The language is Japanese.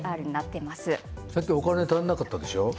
さっき、お金が足りなかったでしょう？